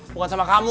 bukan sama kamu